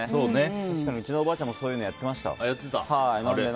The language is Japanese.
確かにうちのおばあちゃんもそういうのやってました。